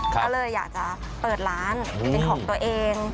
ก็เลยอยากจะเปิดร้านเป็นของตัวเอง